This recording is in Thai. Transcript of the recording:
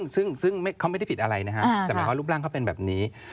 ซึ่งเขาไม่ได้ผิดอะไรนะฮะแต่หมายว่ารูปร่างเขาเป็นแบบนี้